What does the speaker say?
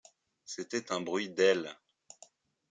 C’était un bruit d’ailes.